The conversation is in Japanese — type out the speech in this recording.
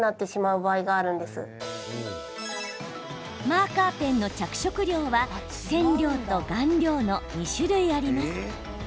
マーカーペンの着色料は染料と顔料の２種類あります。